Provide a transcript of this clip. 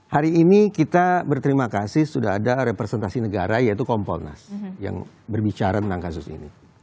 hari ini kita berterima kasih sudah ada representasi negara yaitu kompolnas yang berbicara tentang kasus ini